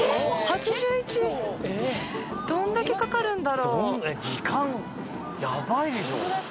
どんだけかかるんだろう？